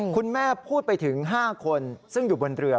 คุณแม่พูดไปถึง๕คนซึ่งอยู่บนเรือ